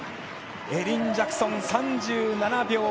エリン・ジャクソン、３７秒０４。